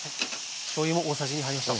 しょうゆも大さじ２入りました。